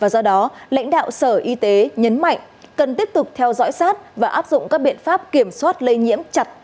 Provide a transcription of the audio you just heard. do đó lãnh đạo sở y tế nhấn mạnh cần tiếp tục theo dõi sát và áp dụng các biện pháp kiểm soát lây nhiễm chặt